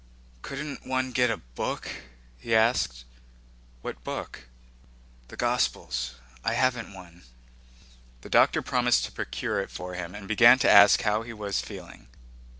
"Couldn't one get a book?" he asked. "What book?" "The Gospels. I haven't one." The doctor promised to procure it for him and began to ask how he was feeling.